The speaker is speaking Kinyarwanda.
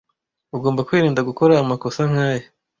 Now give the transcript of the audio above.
Ugomba kwirinda gukora amakosa nkaya.